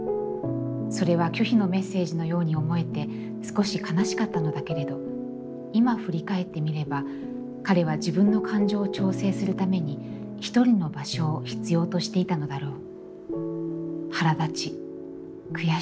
それは拒否のメッセージのように思えて、少し悲しかったのだけれど、今振り返ってみれば、彼は自分の感情を調整するためにひとりの場所を必要としていたのだろう」。